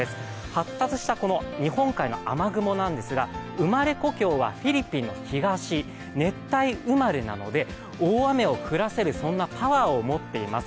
発達した日本海の雨雲なんですが生まれ故郷はフィリピンの東、熱帯生まれなので、大雨を降らせるパワーを持っています。